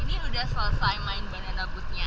ini udah selesai main banana bootnya